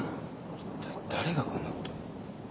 一体誰がこんなことを。